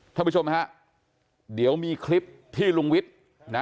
ท่านผู้ชมไหมครับเดี๋ยวมีคลิปที่ลุงวิทย์